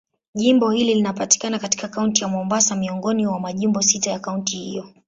Jimbo hili linapatikana katika Kaunti ya Mombasa, miongoni mwa majimbo sita ya kaunti hiyo.